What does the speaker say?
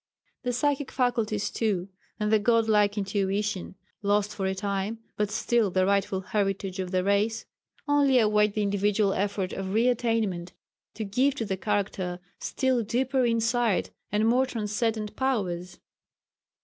The psychic faculties too, and the godlike intuition, lost for a time but still the rightful heritage of the race, only await the individual effort of re attainment, to give to the character still deeper insight and more transcendent powers.